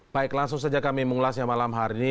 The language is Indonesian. baik langsung saja kami mengulas yang malam hari ini